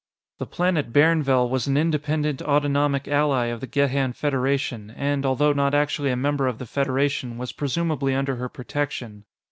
The planet Bairnvell was an independent, autonomic ally of the Gehan Federation, and, although not actually a member of the Federation, was presumably under her protection.